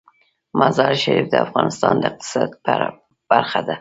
مزارشریف د افغانستان د اقتصاد برخه ده.